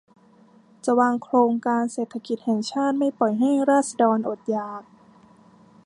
จะวางโครงการเศรษฐกิจแห่งชาติ ไม่ปล่อยให้ราษฎรอดอยาก